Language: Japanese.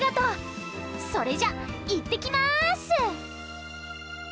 それじゃいってきます！